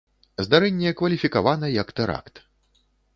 Здарэнне кваліфікавана як тэракт.